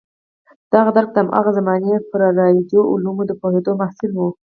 دغه درک د هماغه زمانې پر رایجو علومو د پوهېدو محصول و.